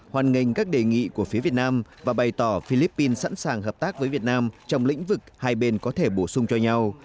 hoàn nghênh các đề nghị của phía việt nam và bày tỏ philippines sẵn sàng hợp tác với việt nam trong lĩnh vực hai bên có thể bổ sung cho nhau